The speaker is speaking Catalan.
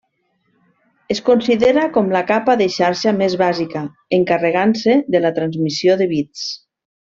Es considera com la capa de xarxa més bàsica, encarregant-se de la transmissió de bits.